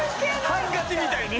ハンカチみたいに。